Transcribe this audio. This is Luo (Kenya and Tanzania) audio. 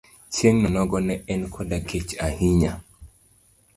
Chieng' onogo ne en koda kech ahinya.